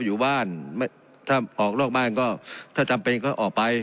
อยู่บ้านถ้าออกนอกบ้านก็ถ้าจำเป็นก็ออกไป